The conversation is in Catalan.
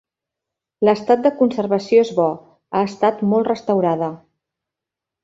L'estat de conservació és bo, ha estat molt restaurada.